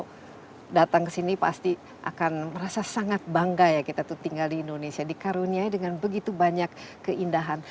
kalau datang ke sini pasti akan merasa sangat bangga ya kita tuh tinggal di indonesia dikaruniai dengan begitu banyak keindahan